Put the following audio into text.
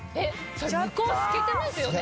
それ向こう透けてますよね？